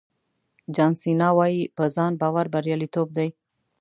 جان سینا وایي په ځان باور بریالیتوب دی.